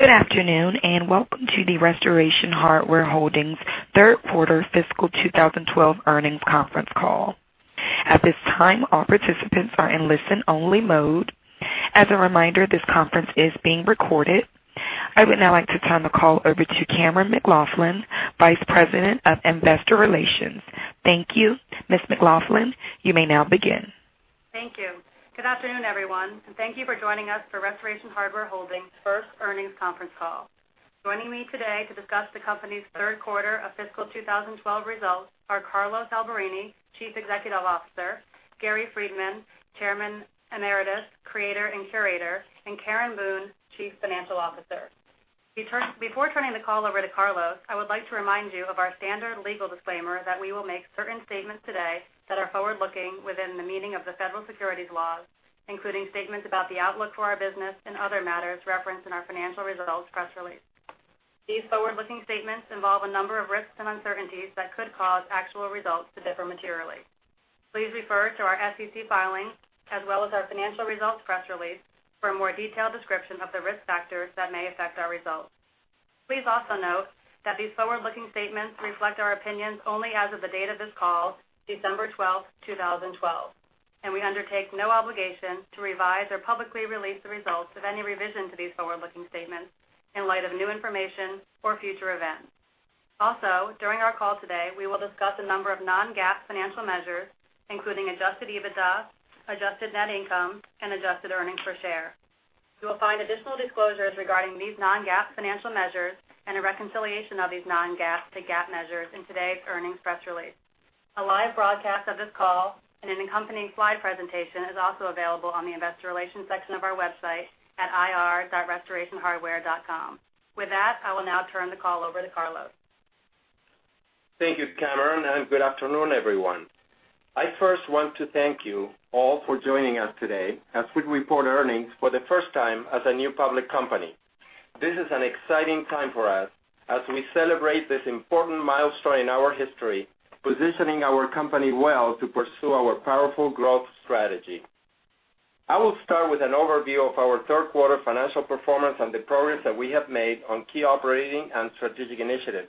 Good afternoon, and welcome to the Restoration Hardware Holdings third quarter fiscal 2012 earnings conference call. At this time, all participants are in listen-only mode. As a reminder, this conference is being recorded. I would now like to turn the call over to Cammeron McLaughlin, Vice President of Investor Relations. Thank you. Ms. McLaughlin, you may now begin. Thank you. Good afternoon, everyone, and thank you for joining us for Restoration Hardware Holdings' first earnings conference call. Joining me today to discuss the company's third quarter of fiscal 2012 results are Carlos Alberini, Chief Executive Officer, Gary Friedman, Chairman Emeritus, Creator, and Curator, and Karen Boone, Chief Financial Officer. Before turning the call over to Carlos, I would like to remind you of our standard legal disclaimer that we will make certain statements today that are forward-looking within the meaning of the federal securities laws, including statements about the outlook for our business and other matters referenced in our financial results press release. These forward-looking statements involve a number of risks and uncertainties that could cause actual results to differ materially. Please refer to our SEC filings, as well as our financial results press release for a more detailed description of the risk factors that may affect our results. Please also note that these forward-looking statements reflect our opinions only as of the date of this call, December 12th, 2012, and we undertake no obligation to revise or publicly release the results of any revision to these forward-looking statements in light of new information or future events. During our call today, we will discuss a number of non-GAAP financial measures, including adjusted EBITDA, adjusted net income, and adjusted earnings per share. You will find additional disclosures regarding these non-GAAP financial measures and a reconciliation of these non-GAAP to GAAP measures in today's earnings press release. A live broadcast of this call and an accompanying slide presentation is also available on the investor relations section of our website at ir.restorationhardware.com. With that, I will now turn the call over to Carlos. Thank you, Cammeron, good afternoon, everyone. I first want to thank you all for joining us today as we report earnings for the first time as a new public company. This is an exciting time for us as we celebrate this important milestone in our history, positioning our company well to pursue our powerful growth strategy. I will start with an overview of our third quarter financial performance and the progress that we have made on key operating and strategic initiatives.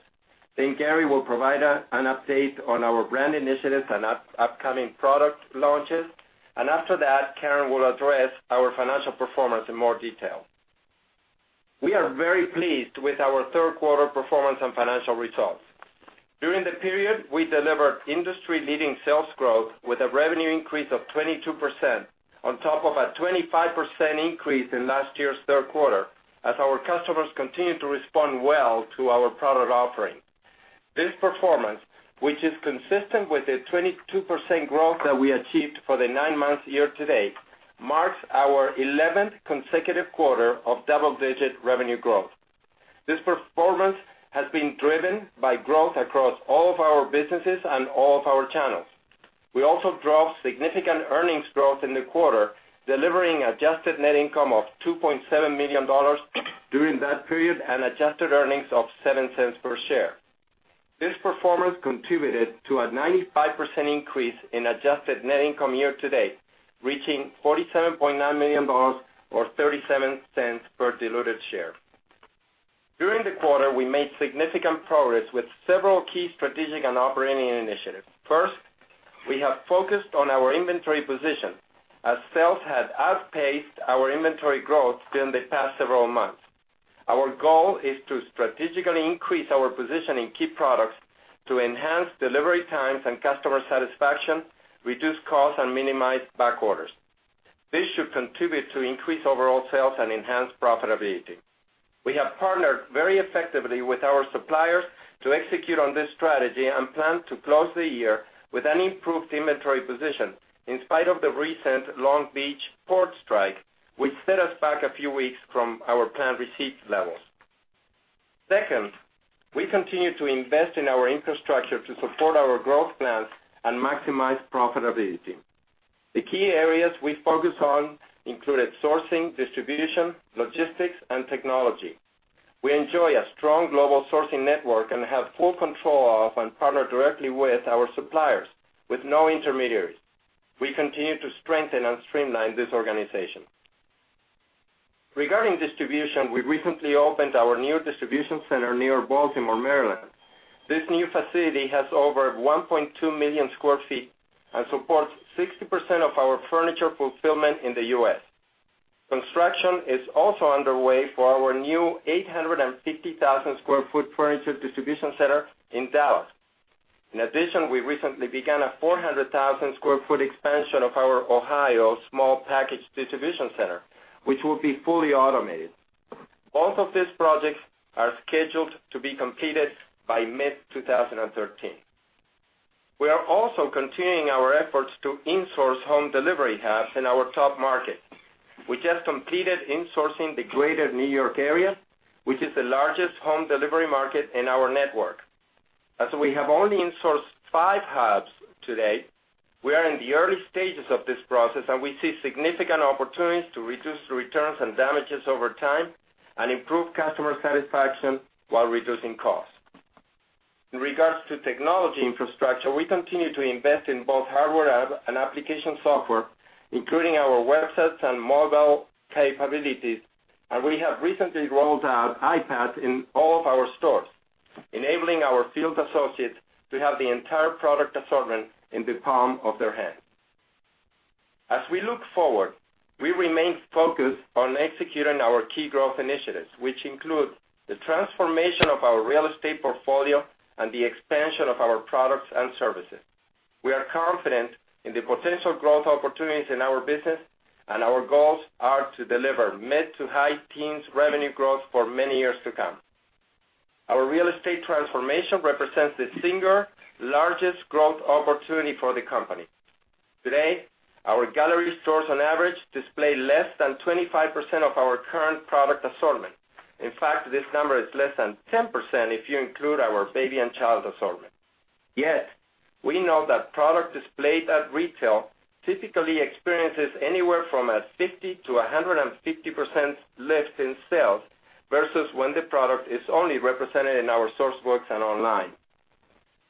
Gary will provide an update on our brand initiatives and upcoming product launches. After that, Karen will address our financial performance in more detail. We are very pleased with our third quarter performance and financial results. During the period, we delivered industry-leading sales growth with a revenue increase of 22% on top of a 25% increase in last year's third quarter as our customers continued to respond well to our product offering. This performance, which is consistent with the 22% growth that we achieved for the nine months year to date, marks our 11th consecutive quarter of double-digit revenue growth. This performance has been driven by growth across all of our businesses and all of our channels. We also drove significant earnings growth in the quarter, delivering adjusted net income of $2.7 million during that period and adjusted earnings of $0.07 per share. This performance contributed to a 95% increase in adjusted net income year to date, reaching $47.9 million or $0.37 per diluted share. During the quarter, we made significant progress with several key strategic and operating initiatives. First, we have focused on our inventory position as sales had outpaced our inventory growth during the past several months. Our goal is to strategically increase our position in key products to enhance delivery times and customer satisfaction, reduce costs, and minimize back orders. This should contribute to increased overall sales and enhanced profitability. We have partnered very effectively with our suppliers to execute on this strategy and plan to close the year with an improved inventory position in spite of the recent Long Beach port strike, which set us back a few weeks from our planned receipt levels. Second, we continue to invest in our infrastructure to support our growth plans and maximize profitability. The key areas we focused on included sourcing, distribution, logistics, and technology. We enjoy a strong global sourcing network and have full control of and partner directly with our suppliers with no intermediaries. We continue to strengthen and streamline this organization. Regarding distribution, we recently opened our new distribution center near Baltimore, Maryland. This new facility has over 1.2 million sq ft and supports 60% of our furniture fulfillment in the U.S. In addition, construction is also underway for our new 850,000 sq ft furniture distribution center in Dallas. We recently began a 400,000 sq ft expansion of our Ohio small package distribution center, which will be fully automated. Both of these projects are scheduled to be completed by mid-2013. We are also continuing our efforts to in-source home delivery hubs in our top markets. We just completed in-sourcing the greater New York area, which is the largest home delivery market in our network. As we have only in-sourced five hubs to date, we are in the early stages of this process. We see significant opportunities to reduce returns and damages over time and improve customer satisfaction while reducing costs. In regards to technology infrastructure, we continue to invest in both hardware and application software, including our websites and mobile capabilities. We have recently rolled out iPads in all of our stores, enabling our field associates to have the entire product assortment in the palm of their hand. As we look forward, we remain focused on executing our key growth initiatives, which include the transformation of our real estate portfolio and the expansion of our products and services. We are confident in the potential growth opportunities in our business. Our goals are to deliver mid-to-high teens revenue growth for many years to come. Our real estate transformation represents the single largest growth opportunity for the company. Today, our gallery stores on average display less than 25% of our current product assortment. In fact, this number is less than 10% if you include our baby and child assortment. Yet, we know that product displayed at retail typically experiences anywhere from a 50%-150% lift in sales versus when the product is only represented in our source books and online.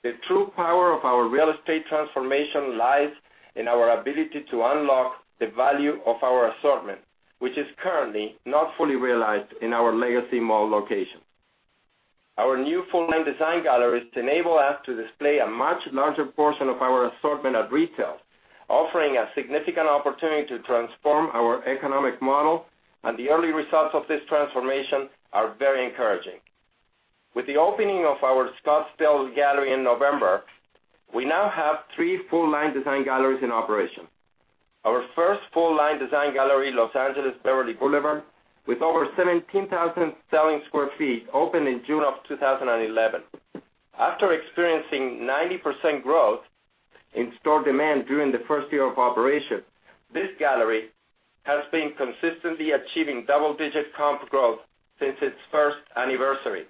The true power of our real estate transformation lies in our ability to unlock the value of our assortment, which is currently not fully realized in our legacy mall location. Our new full-line design galleries enable us to display a much larger portion of our assortment at retail, offering a significant opportunity to transform our economic model. The early results of this transformation are very encouraging. With the opening of our Scottsdale gallery in November, we now have three full-line design galleries in operation. Our first full-line design gallery, Los Angeles Beverly Boulevard, with over 17,000 sq ft, opened in June of 2011. After experiencing 90% growth in store demand during the first year of operation, this gallery has been consistently achieving double-digit comp growth since its first anniversary.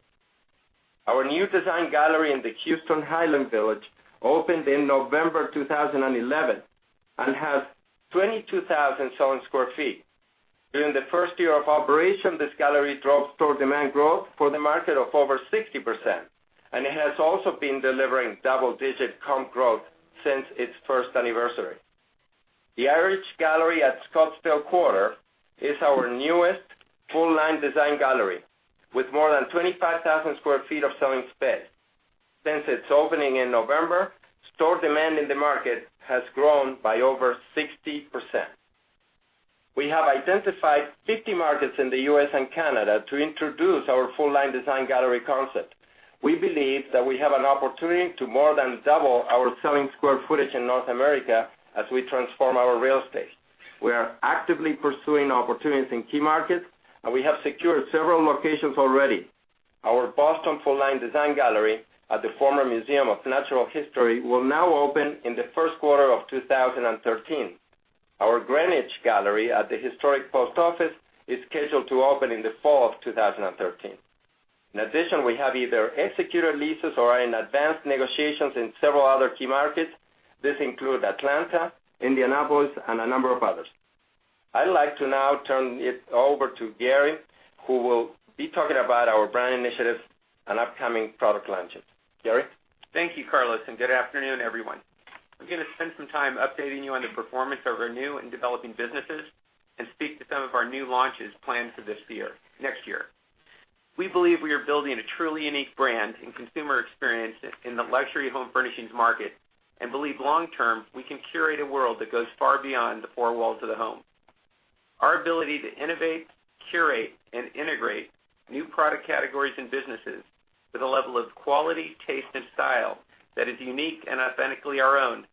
Our new design gallery in the Houston Highland Village opened in November 2011 and has 22,000 sq ft. During the first year of operation, this gallery drove store demand growth for the market of over 60%, and it has also been delivering double-digit comp growth since its first anniversary. The Gallery at Scottsdale Quarter is our newest full-line design gallery with more than 25,000 sq ft of selling space. Since its opening in November, store demand in the market has grown by over 60%. We have identified 50 markets in the U.S. and Canada to introduce our full-line design gallery concept. We believe that we have an opportunity to more than double our selling square footage in North America as we transform our real estate. We are actively pursuing opportunities in key markets. We have secured several locations already. Our Boston full-line design gallery at the former Museum of Natural History will now open in the first quarter of 2013. Our Greenwich gallery at the historic post office is scheduled to open in the fall of 2013. In addition, we have either executed leases or are in advanced negotiations in several other key markets. This includes Atlanta, Indianapolis, and a number of others. I'd like to now turn it over to Gary, who will be talking about our brand initiatives and upcoming product launches. Gary? Thank you, Carlos, and good afternoon, everyone. I'm going to spend some time updating you on the performance of our new and developing businesses and speak to some of our new launches planned for next year. We believe we are building a truly unique brand and consumer experience in the luxury home furnishings market and believe long-term, we can curate a world that goes far beyond the four walls of the home. Our ability to innovate, curate, and integrate new product categories and businesses with a level of quality, taste, and style that is unique and authentically our own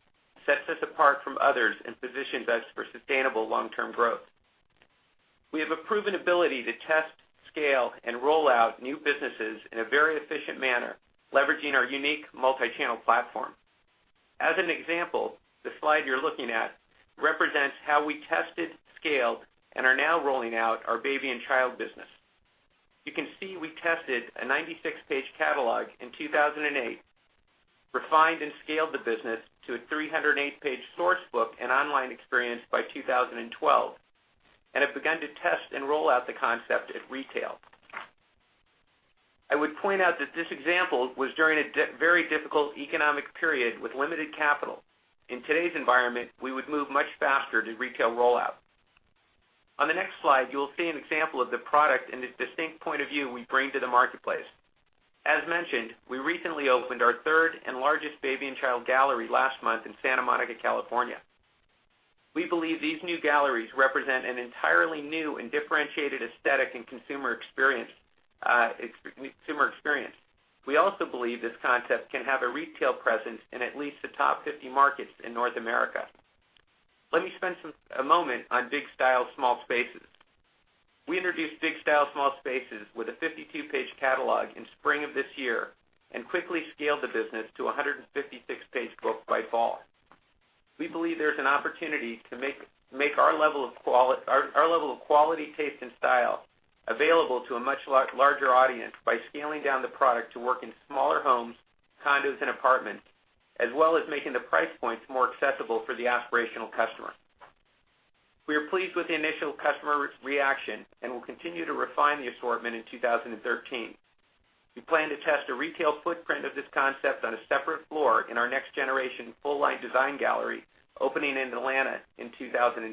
sets us apart from others and positions us for sustainable long-term growth. We have a proven ability to test, scale, and roll out new businesses in a very efficient manner, leveraging our unique multi-channel platform. As an example, the slide you're looking at represents how we tested, scaled, and are now rolling out our baby and child business. You can see we tested a 96-page catalog in 2008, refined and scaled the business to a 308-page source book and online experience by 2012, and have begun to test and roll out the concept at retail. I would point out that this example was during a very difficult economic period with limited capital. In today's environment, we would move much faster to retail rollout. On the next slide, you will see an example of the product and the distinct point of view we bring to the marketplace. As mentioned, we recently opened our third and largest baby and child gallery last month in Santa Monica, California. We believe these new galleries represent an entirely new and differentiated aesthetic and consumer experience. We also believe this concept can have a retail presence in at least the top 50 markets in North America. Let me spend a moment on Big Style Small Spaces. We introduced Big Style Small Spaces with a 52-page catalog in spring of this year and quickly scaled the business to 156-page book by fall. We believe there's an opportunity to make our level of quality, taste, and style available to a much larger audience by scaling down the product to work in smaller homes, condos, and apartments, as well as making the price points more accessible for the aspirational customer. We are pleased with the initial customer reaction and will continue to refine the assortment in 2013. We plan to test a retail footprint of this concept on a separate floor in our next-generation full-line design gallery opening in Atlanta in 2014.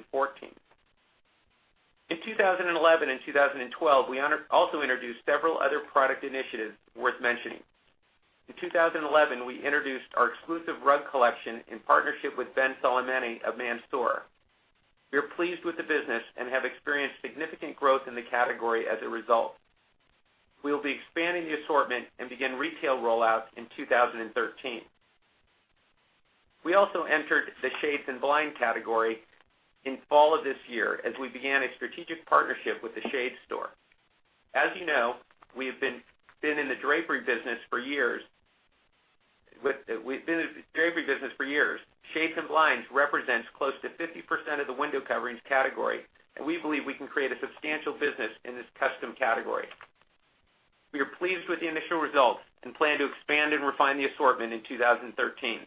In 2011 and 2012, we also introduced several other product initiatives worth mentioning. In 2011, we introduced our exclusive rug collection in partnership with Ben Soleimani of Mansour. We are pleased with the business and have experienced significant growth in the category as a result. We will be expanding the assortment and begin retail rollout in 2013. We also entered the shades and blind category in fall of this year as we began a strategic partnership with The Shade Store. As you know, we have been in the drapery business for years. Shades and blinds represents close to 50% of the window coverings category, and we believe we can create a substantial business in this custom category. We are pleased with the initial results and plan to expand and refine the assortment in 2013.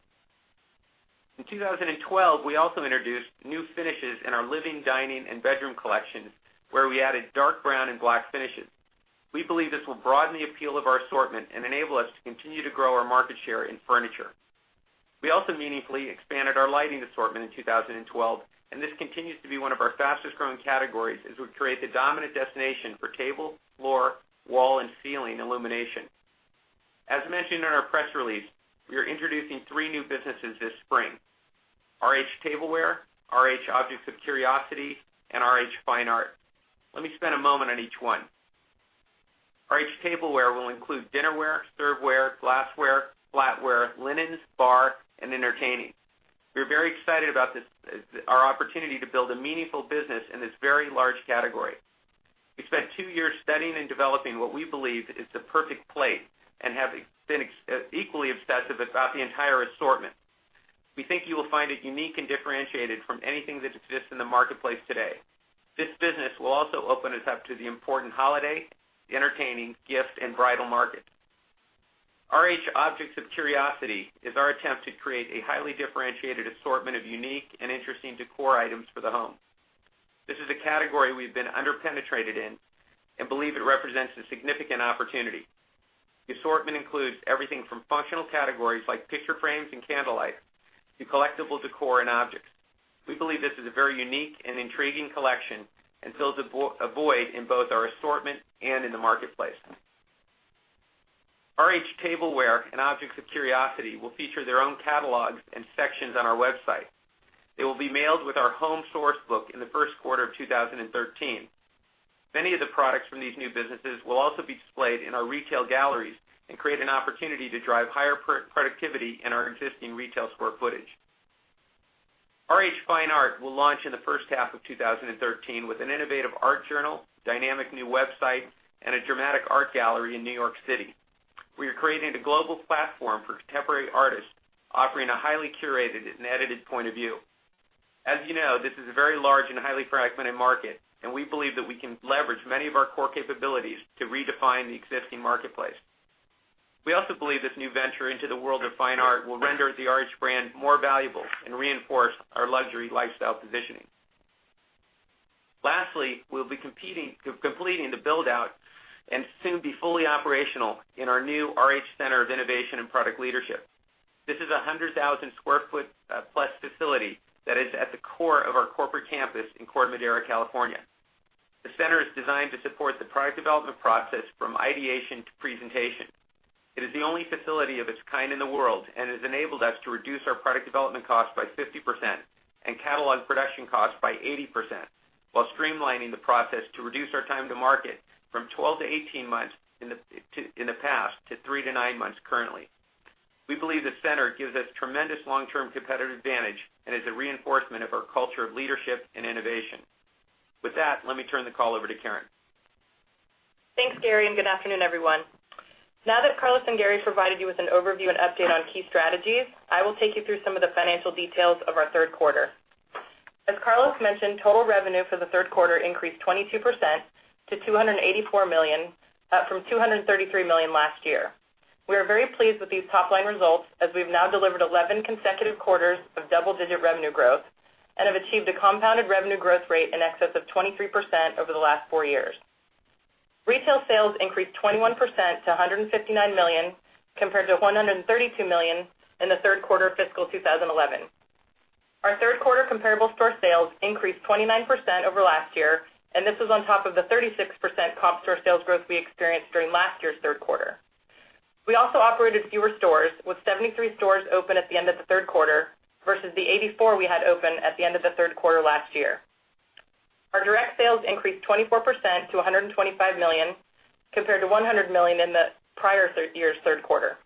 In 2012, we also introduced new finishes in our living, dining, and bedroom collections, where we added dark brown and black finishes. We believe this will broaden the appeal of our assortment and enable us to continue to grow our market share in furniture. We also meaningfully expanded our lighting assortment in 2012, and this continues to be one of our fastest-growing categories as we create the dominant destination for table, floor, wall, and ceiling illumination. As mentioned in our press release, we are introducing three new businesses this spring: RH Tableware, RH Objects of Curiosity, and RH Fine Art. Let me spend a moment on each one. RH Tableware will include dinnerware, serveware, glassware, flatware, linens, bar, and entertaining. We're very excited about our opportunity to build a meaningful business in this very large category. We spent two years studying and developing what we believe is the perfect plate and have been equally obsessive about the entire assortment. We think you will find it unique and differentiated from anything that exists in the marketplace today. This business will also open us up to the important holiday, entertaining, gift, and bridal market. RH Objects of Curiosity is our attempt to create a highly differentiated assortment of unique and interesting decor items for the home. This is a category we've been under-penetrated in and believe it represents a significant opportunity. The assortment includes everything from functional categories like picture frames and candlelight to collectible decor and objects. We believe this is a very unique and intriguing collection and fills a void in both our assortment and in the marketplace. RH Tableware and RH Objects of Curiosity will feature their own catalogs and sections on our website. It will be mailed with our home source book in the first quarter of 2013. Many of the products from these new businesses will also be displayed in our retail galleries and create an opportunity to drive higher productivity in our existing retail square footage. RH Fine Art will launch in the first half of 2013 with an innovative art journal, dynamic new website, and a dramatic art gallery in New York City. We are creating a global platform for contemporary artists, offering a highly curated and edited point of view. As you know, this is a very large and highly fragmented market, and we believe that we can leverage many of our core capabilities to redefine the existing marketplace. We also believe this new venture into the world of fine art will render the RH brand more valuable and reinforce our luxury lifestyle positioning. Lastly, we'll be completing the build-out and soon be fully operational in our new RH Center of Innovation and Product Leadership. This is a 100,000-square-foot plus facility that is at the core of our corporate campus in Corte Madera, California. The center is designed to support the product development process from ideation to presentation. It is the only facility of its kind in the world and has enabled us to reduce our product development cost by 50% and catalog production cost by 80%, while streamlining the process to reduce our time to market from 12-18 months in the past to 3-9 months currently. We believe the center gives us tremendous long-term competitive advantage and is a reinforcement of our culture of leadership and innovation. With that, let me turn the call over to Karen. Thanks, Gary. Good afternoon, everyone. Now that Carlos and Gary have provided you with an overview and update on key strategies, I will take you through some of the financial details of our third quarter. As Carlos mentioned, total revenue for the third quarter increased 22% to $284 million, up from $233 million last year. We are very pleased with these top-line results, as we've now delivered 11 consecutive quarters of double-digit revenue growth and have achieved a compounded revenue growth rate in excess of 23% over the last four years. Retail sales increased 21% to $159 million compared to $132 million in the third quarter of fiscal 2011. Our third quarter comparable store sales increased 29% over last year. This is on top of the 36% comp store sales growth we experienced during last year's third quarter. We also operated fewer stores, with 73 stores open at the end of the third quarter versus the 84 we had open at the end of the third quarter last year. Our direct sales increased 24% to $125 million compared to $100 million in the prior year's third quarter.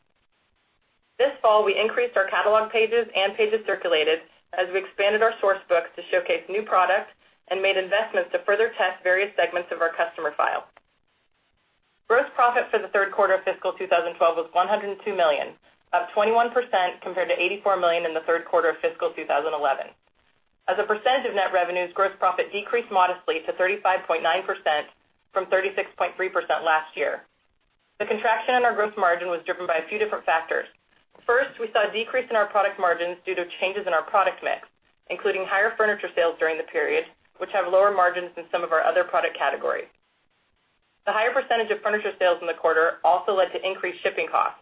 This fall, we increased our catalog pages and pages circulated as we expanded our source book to showcase new products and made investments to further test various segments of our customer file. Gross profit for the third quarter of fiscal 2012 was $102 million, up 21% compared to $84 million in the third quarter of fiscal 2011. As a percentage of net revenues, gross profit decreased modestly to 35.9% from 36.3% last year. The contraction in our gross margin was driven by a few different factors. First, we saw a decrease in our product margins due to changes in our product mix, including higher furniture sales during the period, which have lower margins than some of our other product categories. The higher percentage of furniture sales in the quarter also led to increased shipping costs.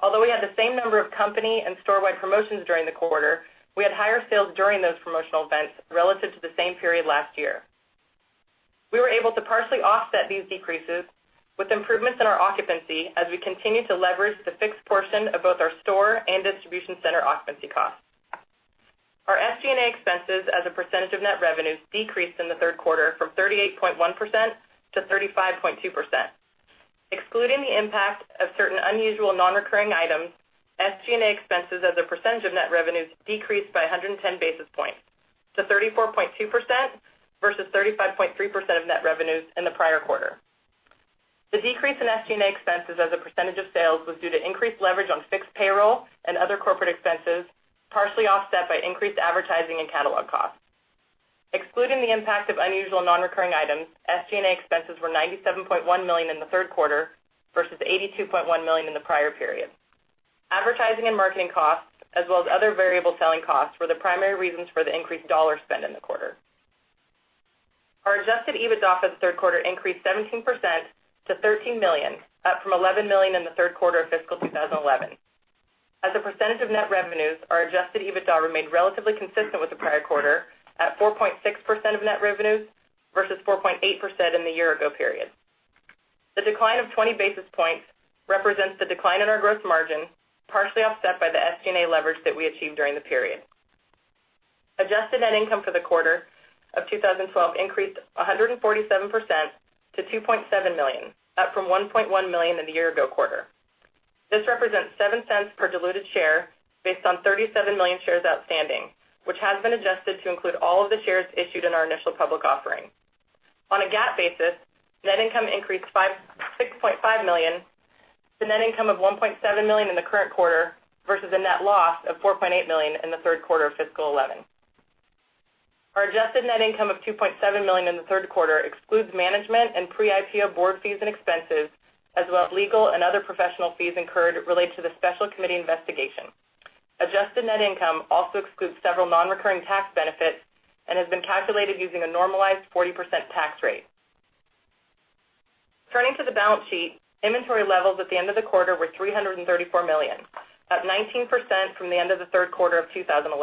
Although we had the same number of company and storewide promotions during the quarter, we had higher sales during those promotional events relative to the same period last year. We were able to partially offset these decreases with improvements in our occupancy as we continue to leverage the fixed portion of both our store and distribution center occupancy costs. Our SG&A expenses as a percentage of net revenues decreased in the third quarter from 38.1% to 35.2%. Excluding the impact of certain unusual non-recurring items, SG&A expenses as a percentage of net revenues decreased by 110 basis points to 34.2% versus 35.3% of net revenues in the prior quarter. The decrease in SG&A expenses as a percentage of sales was due to increased leverage on fixed payroll and other corporate expenses, partially offset by increased advertising and catalog costs. Excluding the impact of unusual non-recurring items, SG&A expenses were $97.1 million in the third quarter versus $82.1 million in the prior period. Advertising and marketing costs, as well as other variable selling costs, were the primary reasons for the increased dollar spend in the quarter. Our adjusted EBITDA for the third quarter increased 17% to $13 million, up from $11 million in the third quarter of fiscal 2011. As a percentage of net revenues, our adjusted EBITDA remained relatively consistent with the prior quarter at 4.6% of net revenues versus 4.8% in the year ago period. The decline of 20 basis points represents the decline in our growth margin, partially offset by the SG&A leverage that we achieved during the period. Adjusted net income for the quarter of 2012 increased 147% to $2.7 million, up from $1.1 million in the year ago quarter. This represents $0.07 per diluted share based on 37 million shares outstanding, which has been adjusted to include all of the shares issued in our initial public offering. On a GAAP basis, net income increased to $6.5 million, the net income of $1.7 million in the current quarter versus a net loss of $4.8 million in the third quarter of fiscal 2011. Our adjusted net income of $2.7 million in the third quarter excludes management and pre-IPO board fees and expenses, as well as legal and other professional fees incurred related to the special committee investigation. Adjusted net income also excludes several non-recurring tax benefits and has been calculated using a normalized 40% tax rate. Turning to the balance sheet, inventory levels at the end of the quarter were $334 million, up 19% from the end of the third quarter of 2011.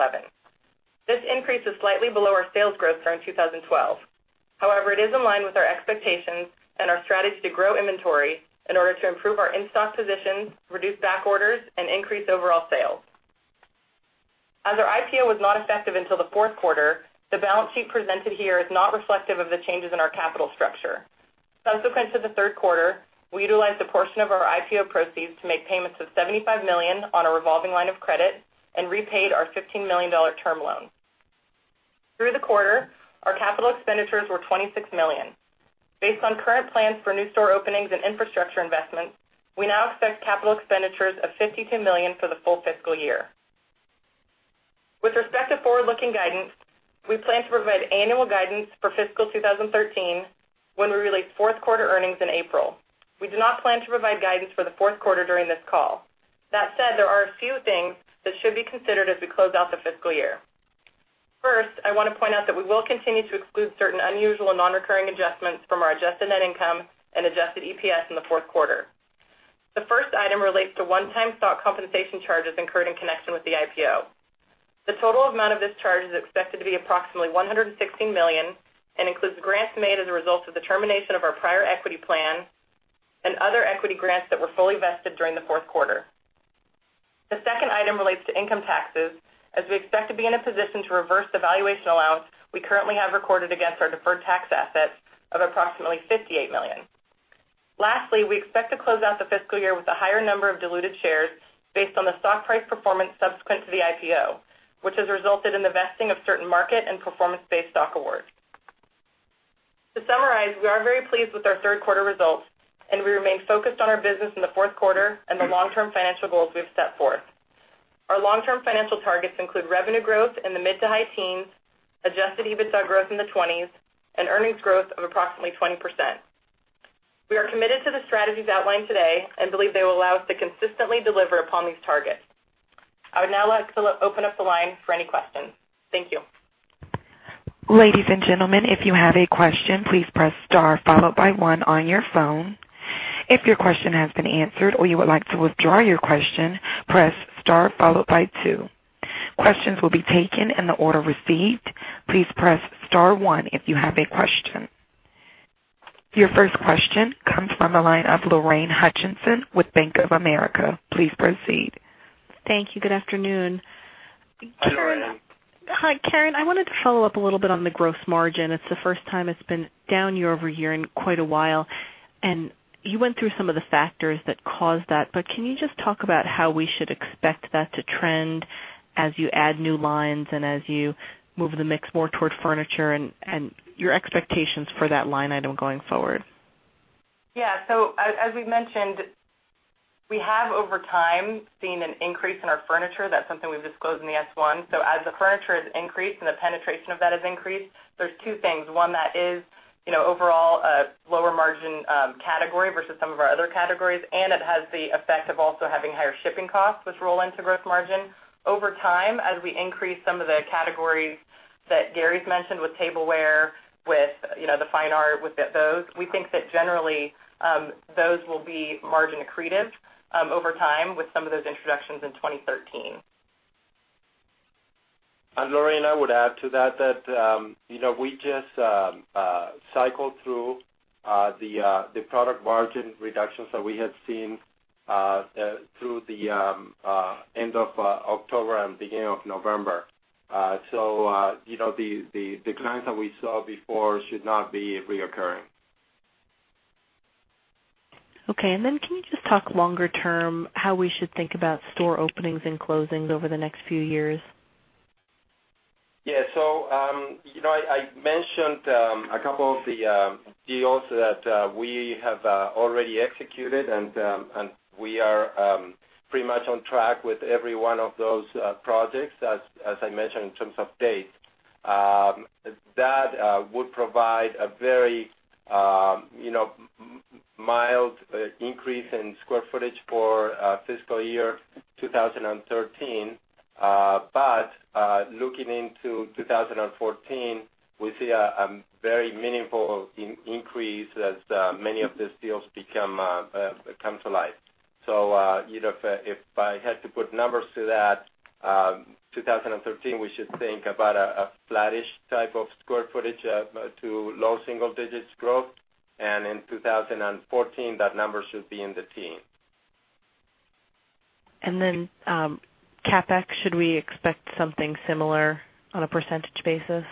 This increase is slightly below our sales growth during 2012. However, it is in line with our expectations and our strategy to grow inventory in order to improve our in-stock positions, reduce back orders, and increase overall sales. As our IPO was not effective until the fourth quarter, the balance sheet presented here is not reflective of the changes in our capital structure. Subsequent to the third quarter, we utilized a portion of our IPO proceeds to make payments of $75 million on a revolving line of credit and repaid our $15 million term loan. Through the quarter, our capital expenditures were $26 million. Based on current plans for new store openings and infrastructure investments, we now expect capital expenditures of $52 million for the full fiscal year. With respect to forward-looking guidance, we plan to provide annual guidance for fiscal 2013 when we release fourth-quarter earnings in April. We do not plan to provide guidance for the fourth quarter during this call. That said, there are a few things that should be considered as we close out the fiscal year. First, I want to point out that we will continue to exclude certain unusual and non-recurring adjustments from our adjusted net income and adjusted EPS in the fourth quarter. The first item relates to one-time stock compensation charges incurred in connection with the IPO. The total amount of this charge is expected to be approximately $116 million and includes grants made as a result of the termination of our prior equity plan and other equity grants that were fully vested during the fourth quarter. The second item relates to income taxes, as we expect to be in a position to reverse the valuation allowance we currently have recorded against our deferred tax assets of approximately $58 million. Lastly, we expect to close out the fiscal year with a higher number of diluted shares based on the stock price performance subsequent to the IPO, which has resulted in the vesting of certain market and performance-based stock awards. To summarize, we are very pleased with our third quarter results, and we remain focused on our business in the fourth quarter and the long-term financial goals we've set forth. Our long-term financial targets include revenue growth in the mid to high teens, adjusted EBITDA growth in the 20s, and earnings growth of approximately 20%. We are committed to the strategies outlined today and believe they will allow us to consistently deliver upon these targets. I would now like to open up the line for any questions. Thank you. Ladies and gentlemen, if you have a question, please press star followed by one on your phone. If your question has been answered or you would like to withdraw your question, press star followed by two. Questions will be taken in the order received. Please press star one if you have a question. Your first question comes from the line of Lorraine Hutchinson with Bank of America. Please proceed. Thank you. Good afternoon. Hi, Karen. Hi, Karen. I wanted to follow up a little bit on the gross margin. It's the first time it's been down year-over-year in quite a while, and you went through some of the factors that caused that. Can you just talk about how we should expect that to trend as you add new lines and as you move the mix more toward furniture and your expectations for that line item going forward? As we mentioned, we have, over time, seen an increase in our furniture. That's something we've disclosed in the S-1. As the furniture has increased and the penetration of that has increased, there's two things. One, that is overall a lower margin category versus some of our other categories, and it has the effect of also having higher shipping costs, which roll into gross margin. Over time, as we increase some of the categories that Gary's mentioned with RH Tableware, with the RH Fine Art, with those, we think that generally, those will be margin accretive over time with some of those introductions in 2013. Lorraine, I would add to that we just cycled through the product margin reductions that we had seen through the end of October and beginning of November. The declines that we saw before should not be reoccurring. Can you just talk longer term how we should think about store openings and closings over the next few years? Yeah. I mentioned a couple of the deals that we have already executed, we are pretty much on track with every one of those projects as I mentioned in terms of dates. That would provide a very mild increase in square footage for fiscal year 2013. Looking into 2014, we see a very meaningful increase as many of those deals come to life. If I had to put numbers to that, 2013, we should think about a flattish type of square footage to low single digits growth. In 2014, that number should be in the teens. CapEx, should we expect something similar on a % basis?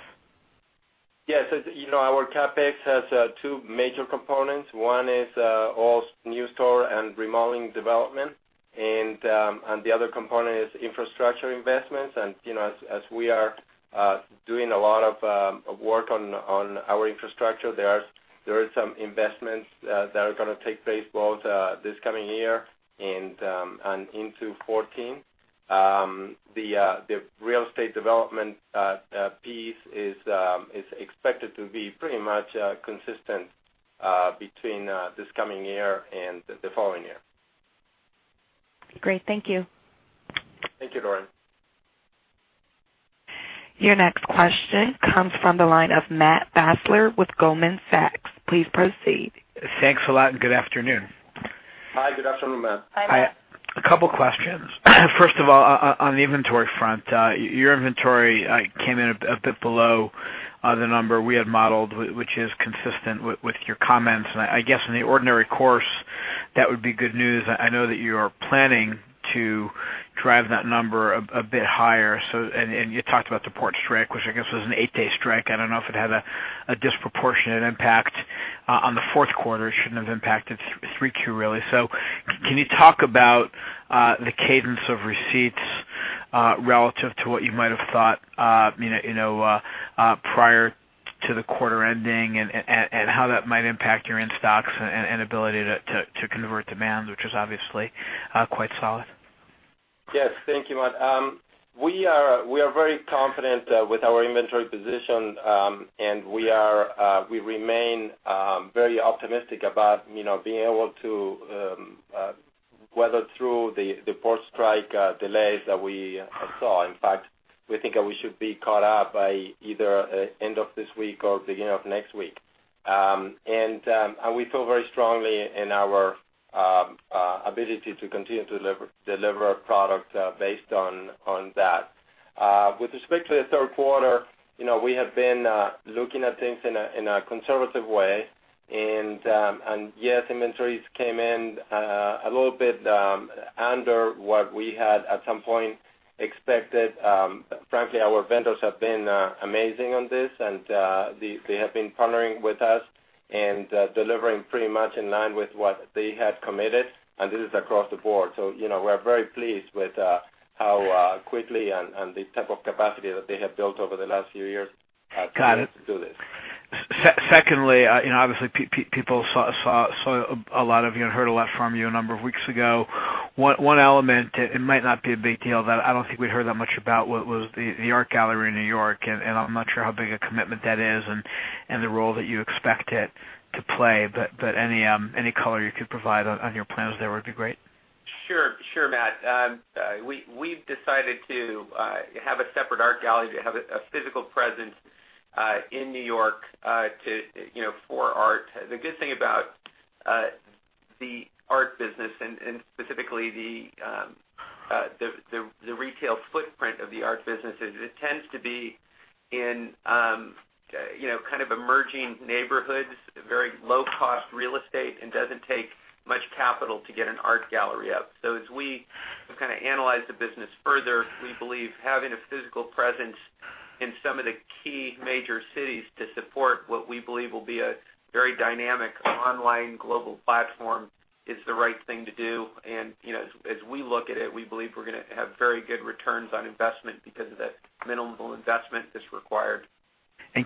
Yes. As you know, our CapEx has two major components. One is all new store and remodeling development, the other component is infrastructure investments. As we are doing a lot of work on our infrastructure, there are some investments that are going to take place both this coming year and into 2014. The real estate development piece is expected to be pretty much consistent between this coming year and the following year. Great. Thank you. Thank you, Lorraine. Your next question comes from the line of Matthew Fassler with Goldman Sachs. Please proceed. Thanks a lot, and good afternoon. Hi, good afternoon, Matt. Hi. A couple questions. First of all, on the inventory front. Your inventory came in a bit below the number we had modeled, which is consistent with your comments. I guess in the ordinary course, that would be good news. I know that you are planning to drive that number a bit higher. You talked about the port strike, which I guess was an 8-day strike. I don't know if it had a disproportionate impact on the fourth quarter. It shouldn't have impacted 3Q, really. Can you talk about the cadence of receipts relative to what you might have thought prior to the quarter ending and how that might impact your in-stocks and ability to convert demand, which is obviously quite solid? Yes. Thank you, Matt. We are very confident with our inventory position, we remain very optimistic about being able to weather through the port strike delays that we saw. In fact, we think that we should be caught up by either end of this week or beginning of next week. We feel very strongly in our ability to continue to deliver our product based on that. With respect to the third quarter, we have been looking at things in a conservative way, yes, inventories came in a little bit under what we had at some point expected. Frankly, our vendors have been amazing on this, they have been partnering with us and delivering pretty much in line with what they had committed, this is across the board. We're very pleased with how quickly and the type of capacity that they have built over the last few years. Got it. to do this. Secondly, obviously, people saw a lot of you and heard a lot from you a number of weeks ago. One element, it might not be a big deal, but I don't think we heard that much about what was the art gallery in New York, and I'm not sure how big a commitment that is and the role that you expect it to play. Any color you could provide on your plans there would be great. Sure, Matt. We've decided to have a separate art gallery, to have a physical presence in New York for art. The good thing about the art business, and specifically the retail footprint of the art business, is it tends to be in kind of emerging neighborhoods, very low-cost real estate, and doesn't take much capital to get an art gallery up. As we have kind of analyzed the business further, we believe having a physical presence in some of the key major cities to support what we believe will be a very dynamic online global platform is the right thing to do. As we look at it, we believe we're going to have very good returns on investment because of the minimal investment that's required.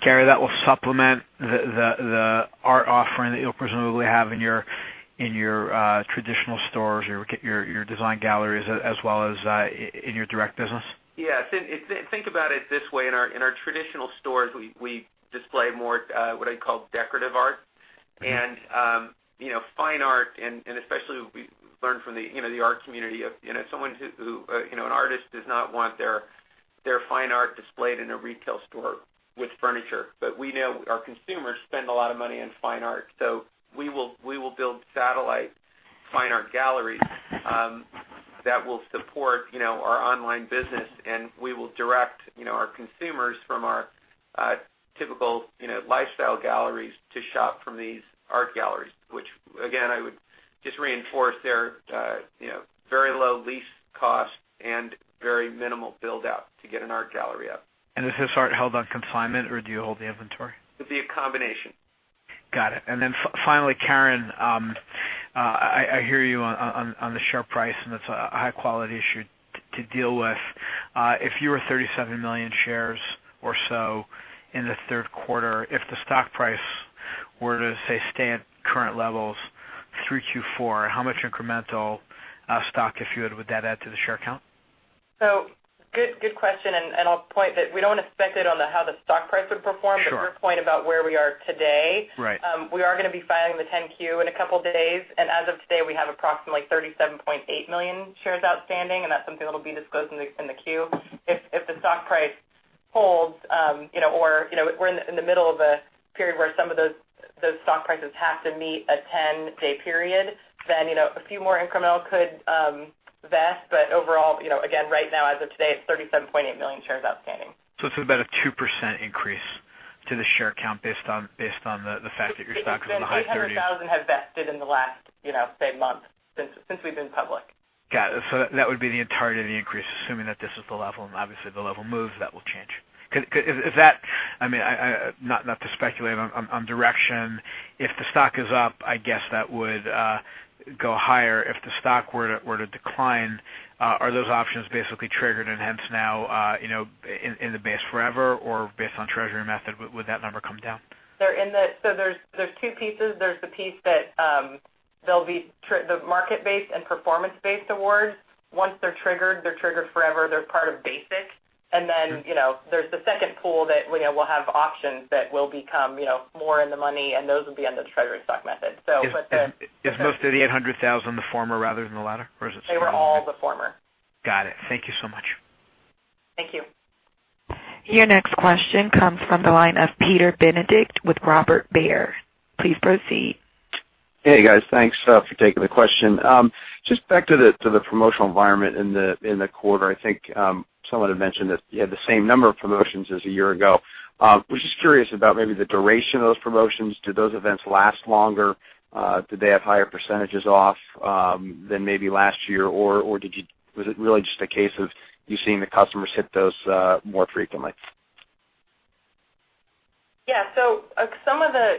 Gary, that will supplement the art offering that you'll presumably have in your traditional stores, your design galleries, as well as in your direct business? Yes. Think about it this way. In our traditional stores, we display more what I call decorative art. Fine art, especially we learned from the art community of an artist does not want their fine art displayed in a retail store with furniture. We know our consumers spend a lot of money on fine art. We will build satellite fine art galleries that will support our online business, and we will direct our consumers from our typical lifestyle galleries to shop from these art galleries, which again, I would just reinforce they're very low lease cost and very minimal build-out to get an art gallery up. Is this art held on consignment, or do you hold the inventory? It'd be a combination. Got it. Then finally, Karen, I hear you on the share price, and that's a high-quality issue to deal with. If you were 37 million shares or so in the third quarter, if the stock price were to, say, stay at current levels through Q4, how much incremental stock, if you had, would that add to the share count? Good question, I'll point that we don't want to speculate on how the stock price would perform. Sure. Your point about where we are today. Right. We are going to be filing the 10-Q in a couple of days, as of today, we have approximately 37.8 million shares outstanding, and that's something that will be disclosed in the Q. If the stock price holds, or we're in the middle of a period where some of those stock prices have to meet a 10-day period, then a few more incremental could vest. Overall, again, right now as of today, it's 37.8 million shares outstanding. It's about a 2% increase to the share count based on the fact that your stock is in the high 30s. 830,000 have vested in the last, say, month since we've been public. Got it. That would be the entirety of the increase, assuming that this is the level, and obviously the level moves, that will change. Not to speculate on direction, if the stock is up, I guess that would go higher. If the stock were to decline, are those options basically triggered and hence now in the base forever? Based on treasury method, would that number come down? There's two pieces. There's the piece that they'll be the market-based and performance-based awards. Once they're triggered, they're triggered forever. They're part of basic. There's the second pool that we know will have options that will become more in the money, and those will be on the treasury stock method. Is most of the 800,000 the former rather than the latter, or is it similar? They were all the former. Got it. Thank you so much. Thank you. Your next question comes from the line of Peter Benedict with Robert W. Baird. Please proceed. Hey, guys. Thanks for taking the question. Just back to the promotional environment in the quarter, I think someone had mentioned that you had the same number of promotions as a year ago. Was just curious about maybe the duration of those promotions. Do those events last longer? Do they have higher % off than maybe last year? Was it really just a case of you seeing the customers hit those more frequently? Yeah. Some of the,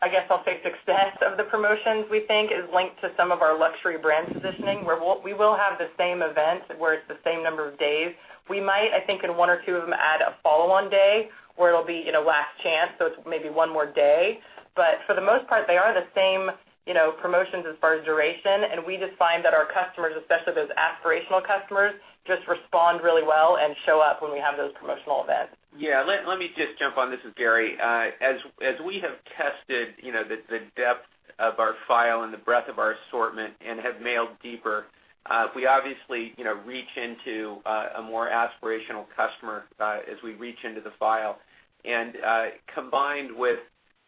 I guess I'll say, success of the promotions, we think is linked to some of our luxury brand positioning, where we will have the same event, where it's the same number of days. We might, I think in one or two of them, add a follow-on day where it'll be last chance, so it's maybe one more day. For the most part, they are the same promotions as far as duration, and we just find that our customers, especially those aspirational customers, just respond really well and show up when we have those promotional events. Yeah. Let me just jump on. This is Gary. As we have tested the depth of our file and the breadth of our assortment and have mailed deeper, we obviously reach into a more aspirational customer as we reach into the file. Combined with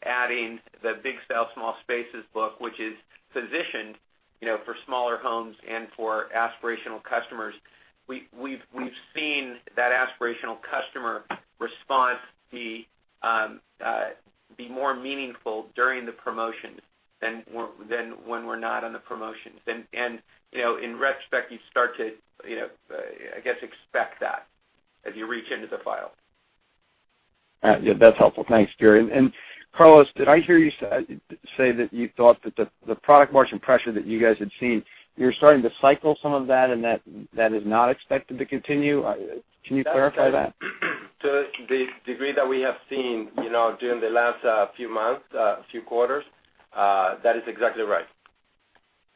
adding the Big Style, Small Spaces book, which is positioned for smaller homes and for aspirational customers, we've seen that aspirational customer response be more meaningful during the promotions than when we're not on the promotions. In retrospect, you start to, I guess, expect that as you reach into the file. All right. Yeah, that's helpful. Thanks, Gary. Carlos, did I hear you say that you thought that the product margin pressure that you guys had seen, you're starting to cycle some of that and that is not expected to continue? Can you clarify that? To the degree that we have seen during the last few months, few quarters, that is exactly right.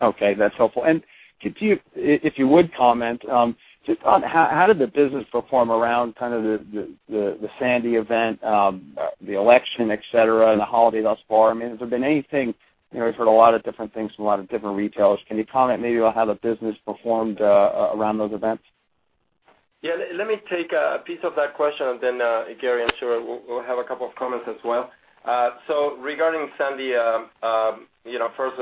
Okay, that's helpful. Could you, if you would comment, just on how did the business perform around kind of the Sandy event, the election, et cetera, and the holiday thus far? I mean, has there been anything? I've heard a lot of different things from a lot of different retailers. Can you comment maybe on how the business performed around those events? Yeah. Let me take a piece of that question, Gary, I'm sure will have a couple of comments as well. Regarding Sandy, first,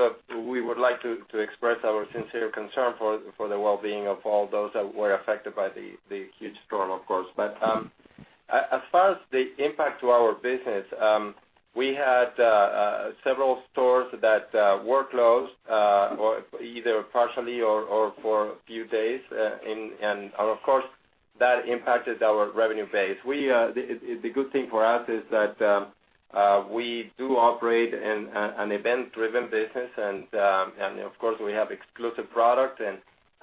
we would like to express our sincere concern for the well-being of all those that were affected by the huge storm, of course. As far as the impact to our business, we had several stores that were closed either partially or for a few days, and of course, that impacted our revenue base. The good thing for us is that we do operate an event-driven business, and of course, we have exclusive product,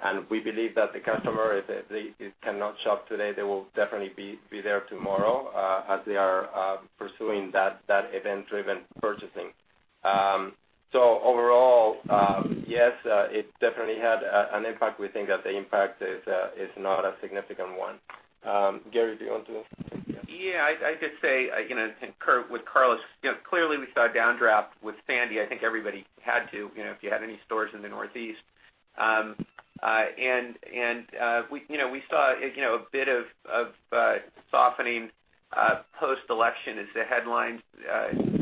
and we believe that the customer, if they cannot shop today, they will definitely be there tomorrow as they are pursuing that event-driven purchasing. Overall, yes, it definitely had an impact. We think that the impact is not a significant one. Gary, do you want to? Yeah. I'd just say, with Carlos, clearly we saw a downdraft with Sandy. I think everybody had to, if you had any stores in the Northeast. We saw a bit of softening post-election as the headlines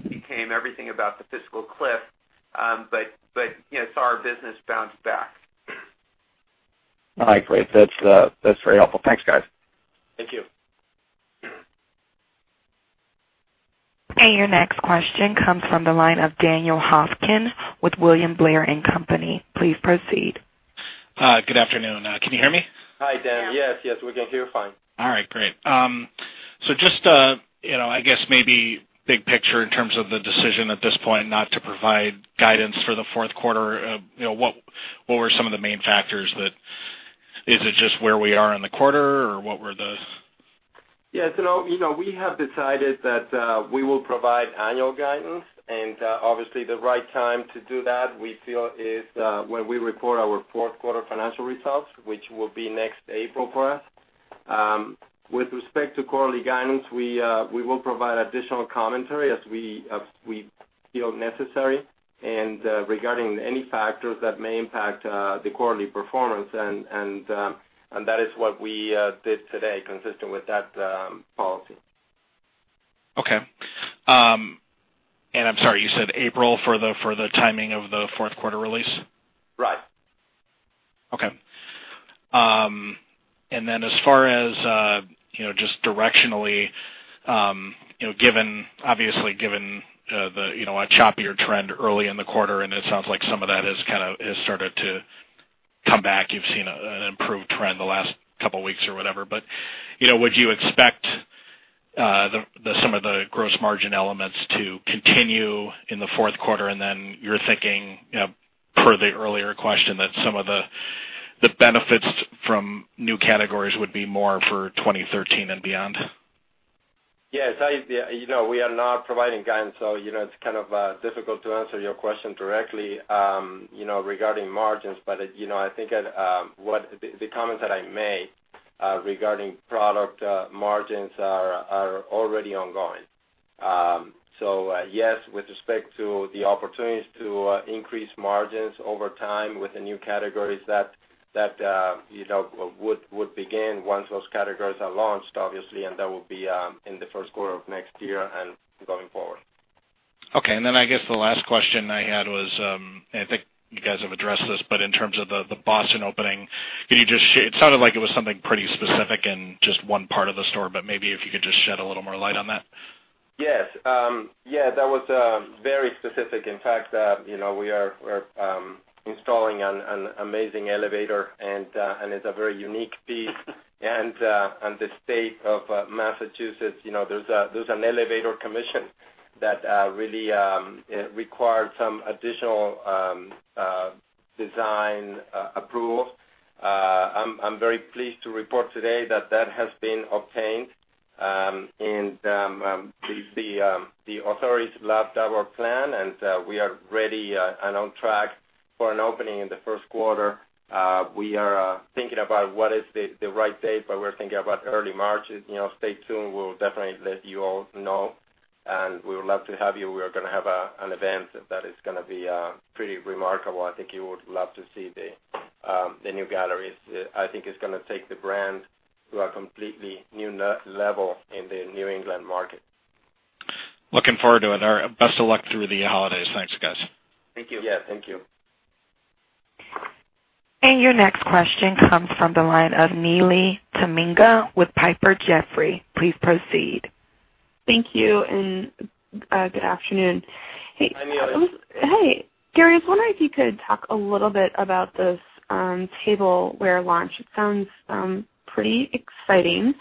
became everything about the fiscal cliff. Saw our business bounce back. All right, great. That's very helpful. Thanks, guys. Thank you. Your next question comes from the line of Daniel Hofkin with William Blair & Company. Please proceed. Good afternoon. Can you hear me? Hi, Dan. Yes, we can hear fine. All right, great. Just, I guess maybe big picture in terms of the decision at this point not to provide guidance for the fourth quarter. What were some of the main factors? Is it just where we are in the quarter, or what were those? Yeah. We have decided that we will provide annual guidance, obviously, the right time to do that, we feel, is when we report our fourth quarter financial results, which will be next April for us. With respect to quarterly guidance, we will provide additional commentary as we feel necessary, regarding any factors that may impact the quarterly performance, that is what we did today consistent with that policy. Okay. I'm sorry, you said April for the timing of the fourth quarter release? Right. Okay. As far as just directionally, obviously given a choppier trend early in the quarter, and it sounds like some of that has started to come back. You've seen an improved trend the last couple of weeks or whatever, would you expect some of the gross margin elements to continue in the fourth quarter? You're thinking, per the earlier question, that some of the benefits from new categories would be more for 2013 and beyond? Yes. We are not providing guidance, it's kind of difficult to answer your question directly regarding margins. I think the comments that I made regarding product margins are already ongoing. Yes, with respect to the opportunities to increase margins over time with the new categories that would begin once those categories are launched, obviously, that will be in the first quarter of next year and going forward. Okay, I guess the last question I had was, I think you guys have addressed this, in terms of the Boston opening, it sounded like it was something pretty specific in just one part of the store, maybe if you could just shed a little more light on that. Yes. That was very specific. In fact, we are installing an amazing elevator, it's a very unique piece. The state of Massachusetts, there's an elevator commission that really required some additional design approval. I'm very pleased to report today that that has been obtained, the authorities loved our plan, we are ready and on track for an opening in the first quarter. We are thinking about what is the right date, but we're thinking about early March. Stay tuned. We'll definitely let you all know, and we would love to have you. We are going to have an event that is going to be pretty remarkable. I think you would love to see the new galleries. I think it's going to take the brand to a completely new level in the New England market. Looking forward to it. All right, best of luck through the holidays. Thanks, guys. Thank you. Yeah. Thank you. Your next question comes from the line of Neely Tamminga with Piper Jaffray. Please proceed. Thank you, and good afternoon. Hi, Neely. Hey, Gary, I was wondering if you could talk a little bit about this Tableware launch. It sounds pretty exciting.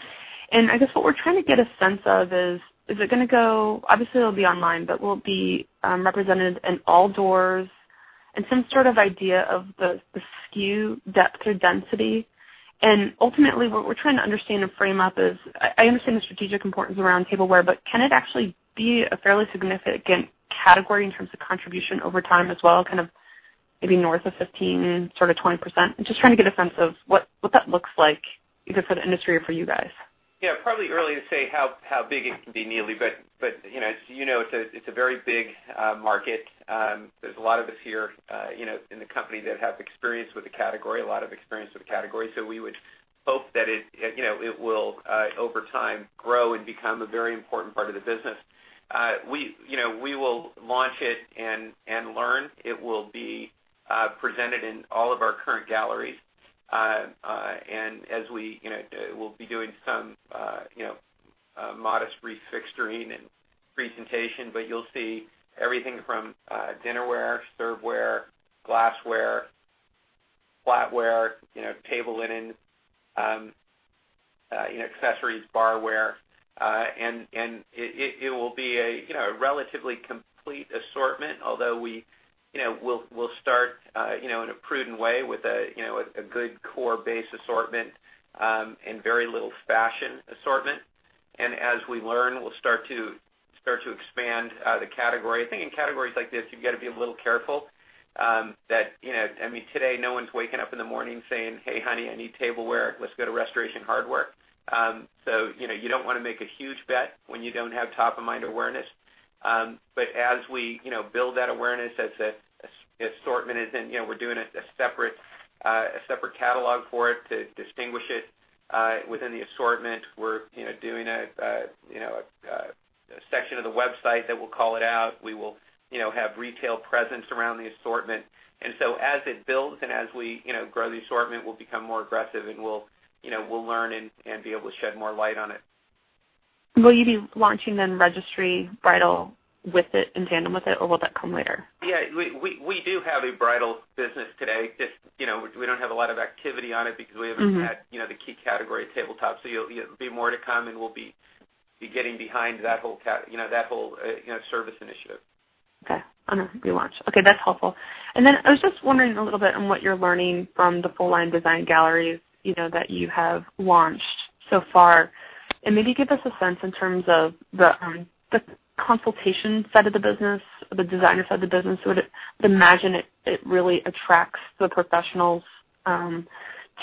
I guess what we're trying to get a sense of is, obviously it'll be online, but will it be represented in all doors? Some sort of idea of the SKU depth or density. Ultimately, what we're trying to understand and frame up is, I understand the strategic importance around Tableware, but can it actually be a fairly significant category in terms of contribution over time as well, kind of maybe north of 15%, sort of 20%? I'm just trying to get a sense of what that looks like, either for the industry or for you guys. Yeah. Probably early to say how big it can be, Neely, but as you know, it's a very big market. There's a lot of us here in the company that have experience with the category, a lot of experience with the category. We would hope that it will, over time, grow and become a very important part of the business. We will launch it and learn. It will be presented in all of our current galleries. We'll be doing some modest refixturing and presentation, but you'll see everything from dinnerware, serveware, glassware, flatware, table linen, accessories, barware. It will be a relatively complete assortment, although we'll start in a prudent way with a good core base assortment and very little fashion assortment. As we learn, we'll start to expand the category. I think in categories like this, you've got to be a little careful. Today, no one's waking up in the morning saying, "Hey, honey, I need RH Tableware. Let's go to Restoration Hardware." You don't want to make a huge bet when you don't have top-of-mind awareness. As we build that awareness, as the assortment is in, we're doing a separate catalog for it to distinguish it within the assortment. We're doing a section of the website that will call it out. We will have retail presence around the assortment. As it builds and as we grow the assortment, we'll become more aggressive, and we'll learn and be able to shed more light on it. Will you be launching then registry bridal with it, in tandem with it, or will that come later? Yeah, we do have a bridal business today. Just we don't have a lot of activity on it because we haven't had the key category tabletop. It'll be more to come, and we'll be getting behind that whole service initiative. Okay. On a relaunch. Okay, that's helpful. I was just wondering a little bit on what you're learning from the full-line design galleries that you have launched so far. And maybe give us a sense in terms of the consultation side of the business, the designer side of the business. Would it I'd imagine it really attracts the professionals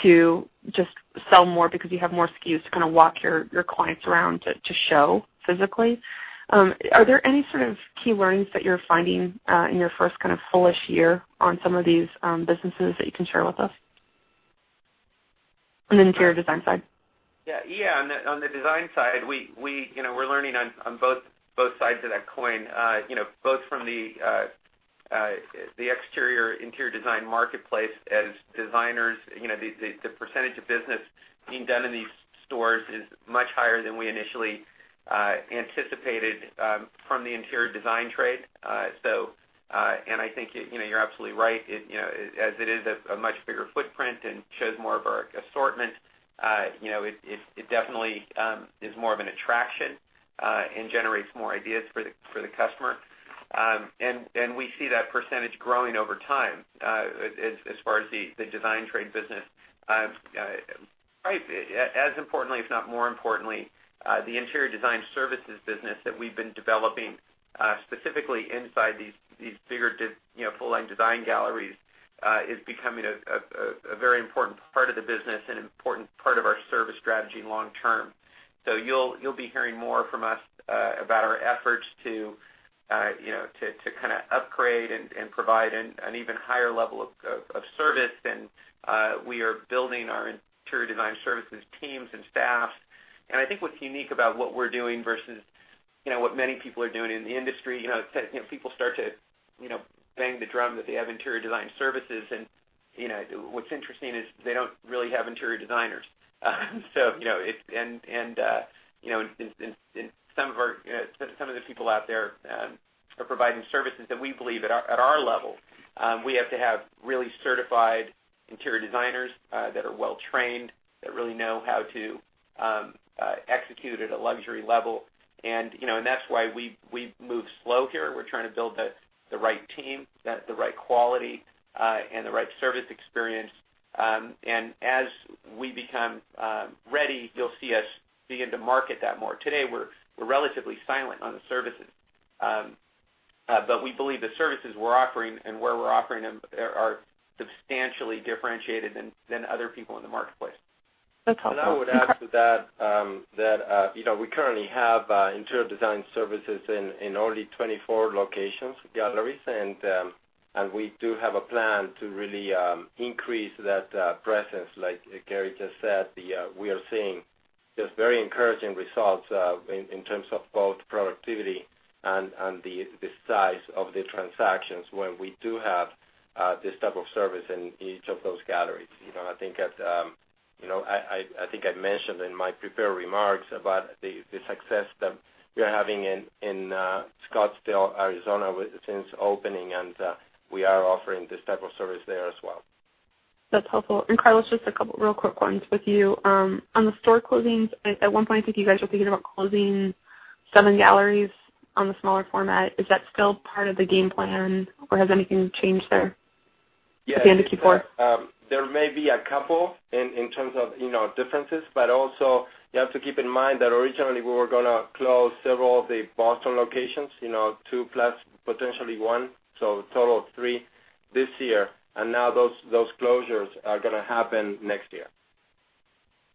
to just sell more because you have more SKUs to walk your clients around to show physically. Are there any sort of key learnings that you're finding in your first full-ish year on some of these businesses that you can share with us? On the interior design side. Yeah. On the design side, we're learning on both sides of that coin. Both from the exterior interior design marketplace as designers, the percentage of business being done in these stores is much higher than we initially anticipated from the interior design trade. I think you're absolutely right. As it is a much bigger footprint and shows more of our assortment, it definitely is more of an attraction and generates more ideas for the customer. We see that percentage growing over time as far as the design trade business. As importantly, if not more importantly, the interior design services business that we've been developing specifically inside these bigger full-line design Galleries is becoming a very important part of the business and an important part of our service strategy long-term. You'll be hearing more from us about our efforts to upgrade and provide an even higher level of service than we are building our interior design services teams and staff. I think what's unique about what we're doing versus what many people are doing in the industry, people start to bang the drum that they have interior design services and what's interesting is they don't really have interior designers. Some of the people out there are providing services that we believe at our level, we have to have really certified interior designers that are well-trained, that really know how to execute at a luxury level. That's why we move slow here. We're trying to build the right team, the right quality, and the right service experience. As we become ready, you'll see us begin to market that more. Today, we're relatively silent on the services. We believe the services we're offering and where we're offering them are substantially differentiated than other people in the marketplace. That's helpful. I would add to that, we currently have interior design services in only 24 locations, galleries, and we do have a plan to really increase that presence. Like Gary just said, we are seeing just very encouraging results in terms of both productivity and the size of the transactions when we do have this type of service in each of those galleries. I think I mentioned in my prepared remarks about the success that we are having in Scottsdale, Arizona, since opening, and we are offering this type of service there as well. That's helpful. Carlos, just a couple real quick ones with you. On the store closings, at one point, I think you guys were thinking about closing seven galleries on the smaller format. Is that still part of the game plan, or has anything changed there- Yes at the end of Q4? There may be a couple in terms of differences, but also you have to keep in mind that originally we were going to close several of the Boston locations, two plus, potentially one, so a total of three this year. Now those closures are going to happen next year.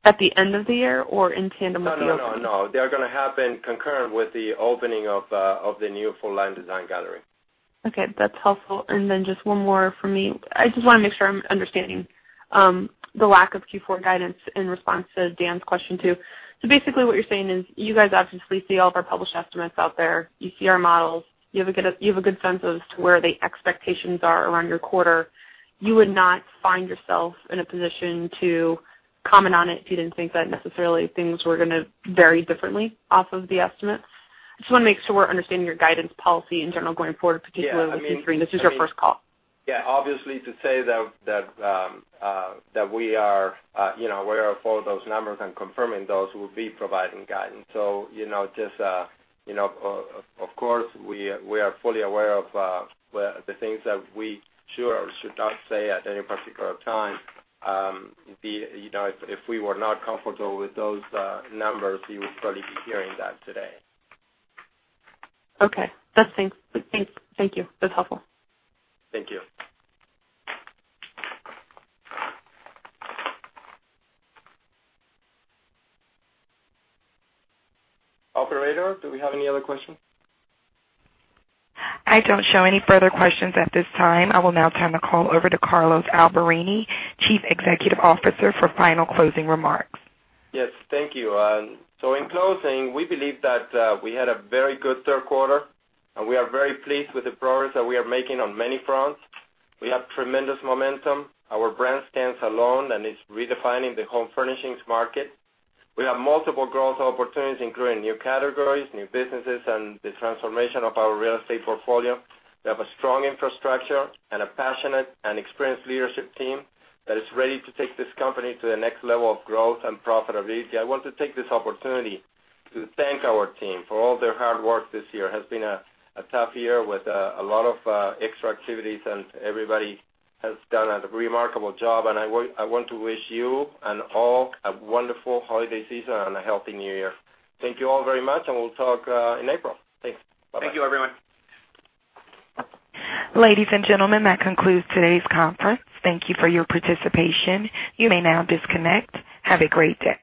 At the end of the year or in tandem with the opening? No, no. They're going to happen concurrent with the opening of the new full-line design gallery. Okay, that's helpful. Then just one more from me. I just want to make sure I'm understanding the lack of Q4 guidance in response to Dan's question, too. Basically what you're saying is you guys obviously see all of our published estimates out there. You see our models. You have a good sense as to where the expectations are around your quarter. You would not find yourself in a position to comment on it if you didn't think that necessarily things were going to vary differently off of the estimates? Just want to make sure we're understanding your guidance policy in general going forward, particularly with Q3. This is your first call. Yeah. Obviously, to say that we are aware of all those numbers and confirming those would be providing guidance. Of course, we are fully aware of the things that we should or should not say at any particular time. If we were not comfortable with those numbers, you would probably be hearing that today. Okay. That's thanks. Thank you. That's helpful. Thank you. Operator, do we have any other questions? I don't show any further questions at this time. I will now turn the call over to Carlos Alberini, Chief Executive Officer, for final closing remarks. Yes, thank you. In closing, we believe that we had a very good third quarter, and we are very pleased with the progress that we are making on many fronts. We have tremendous momentum. Our brand stands alone, and it's redefining the home furnishings market. We have multiple growth opportunities, including new categories, new businesses, and the transformation of our real estate portfolio. We have a strong infrastructure and a passionate and experienced leadership team that is ready to take this company to the next level of growth and profitability. I want to take this opportunity to thank our team for all their hard work this year. It has been a tough year with a lot of extra activities, and everybody has done a remarkable job. I want to wish you and all a wonderful holiday season and a healthy new year. Thank you all very much, and we'll talk in April. Thanks. Bye-bye. Thank you, everyone. Ladies and gentlemen, that concludes today's conference. Thank you for your participation. You may now disconnect. Have a great day.